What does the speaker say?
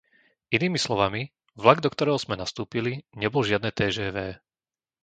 Inými slovami, vlak, do ktorého sme nastúpili, nebol žiadne Téžévé.